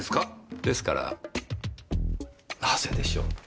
ですからなぜでしょう。